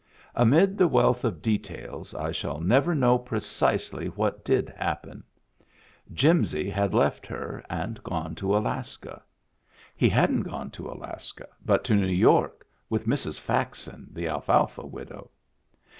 Amid the wealth of details, I shall never know precisely what did happen. Jimsy had left her and gone to Alaska. He hadn't gone to Alaska, but to New York, with Mrs. Faxon, the alfalfa widow.